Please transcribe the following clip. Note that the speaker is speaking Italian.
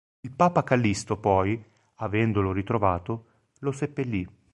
Il Papa Callisto poi, avendolo ritrovato, lo seppellì.